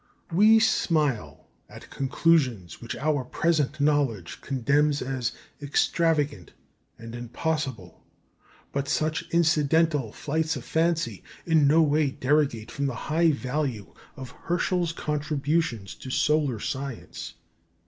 We smile at conclusions which our present knowledge condemns as extravagant and impossible, but such incidental flights of fancy in no way derogate from the high value of Herschel's contributions to solar science.